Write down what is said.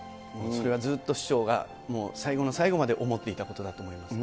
それはずっと師匠が、最後の最後まで思っていたことだと思います。